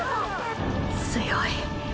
強い。